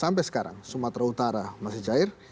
sampai sekarang sumatera utara masih cair